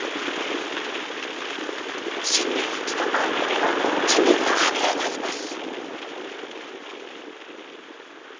震源域の真上では地面が跳ね上がります。